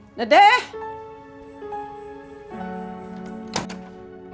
mana sih dedeh ini